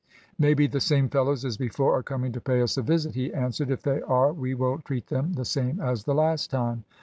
"Maybe the same fellows as before are coming to pay us a visit," he answered. "If they are we will treat them the same as the last time."